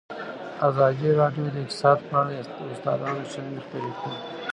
ازادي راډیو د اقتصاد په اړه د استادانو شننې خپرې کړي.